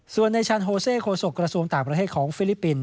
ส่วนในชันโฮเซโคศกระทรวงต่างประเทศของฟิลิปปินส